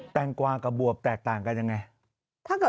แงงกวากับบวบแตกต่างกันยังไง